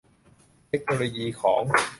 เทคโนโลยีของ